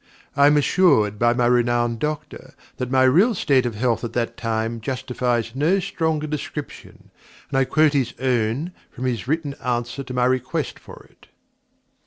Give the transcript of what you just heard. I am assured by my renowned doctor that my real state of health at that time justifies no stronger description, and I quote his own from his written answer to my request for it.